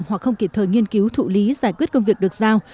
hoặc không kịp thời nghiên cứu thụ lý giải quyết công việc được giao